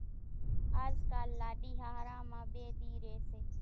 آز ڪالِ لاڏِي ۿاۿران مان ٻيَ ۮِي ريئيَ سي۔